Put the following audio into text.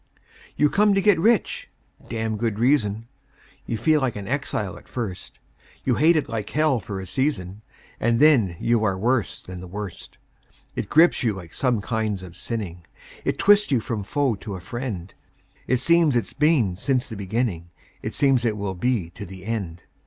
You come to get rich (damned good reason); You feel like an exile at first; You hate it like hell for a season, And then you are worse than the worst. It grips you like some kinds of sinning; It twists you from foe to a friend; It seems it's been since the beginning; It seems it will be to the end.